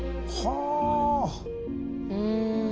うん。